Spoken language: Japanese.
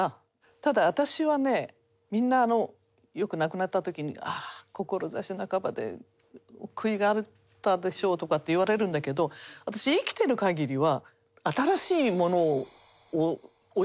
ただ私はねみんなよく亡くなった時に「ああ志半ばで悔いがあったでしょう」とかって言われるんだけど私生きてる限りは新しいものを追いかけたいと思うのね。